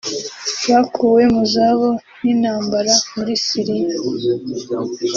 bakuwe mu zabo n'intambara muri Syria